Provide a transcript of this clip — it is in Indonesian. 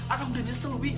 akan udah nyesel wi